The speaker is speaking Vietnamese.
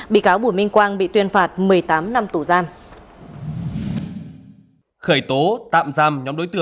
bị cáo bùi minh quang bị tuyên phạt một mươi tám năm tù giam